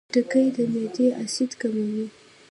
خټکی د معدې اسید کموي.